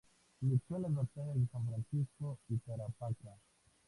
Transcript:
Luchó en las batallas de San Francisco y Tarapacá.